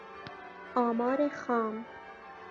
آمار خام